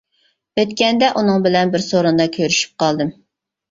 ئۆتكەندە ئۇنىڭ بىلەن بىر سورۇندا كۆرۈشۈپ قالدىم.